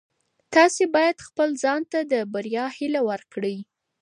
تاسي باید خپل ځان ته د بریا هیله ورکړئ.